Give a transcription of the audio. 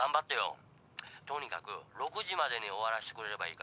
とにかく６時までに終わらしてくれればいいから。